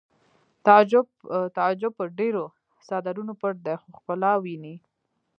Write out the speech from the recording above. تعجب په ډېرو څادرونو پټ دی خو ښکلا ویني